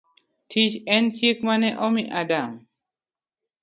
Tich en chik mane omi Adam.